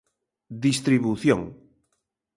Distribución.